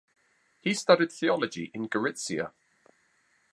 He studied theology in Gorizia.